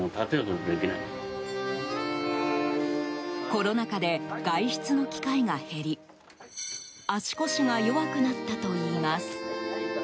コロナ禍で外出の機会が減り足腰が弱くなったといいます。